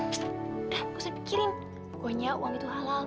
psst udah nggak usah pikirin pokoknya uang itu halal